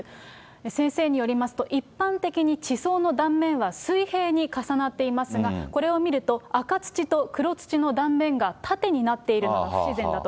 先生によりますと、一般的に地層の断面は水平に重なっていますが、これを見ると、赤土と黒土の断面が縦になっているのが不自然だと。